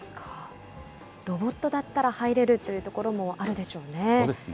ロボットだったら入れるという所もあるでしょうね。